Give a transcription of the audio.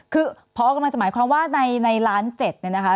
คือพอกำลังจะหมายความว่าในล้าน๗เนี่ยนะคะ